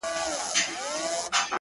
نور مينه نه کومه دا ښامار اغزن را باسم؛